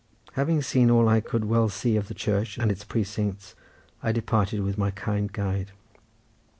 Having seen all I could well see of the church and its precincts I departed with my kind guide.